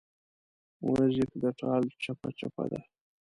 موزیک د ټال چپهچپه ده.